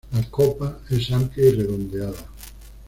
La copa es amplia y redondeada.